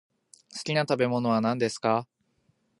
好きな食べ物は何ですか。